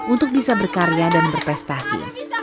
untuk bisa berkarya dan berprestasi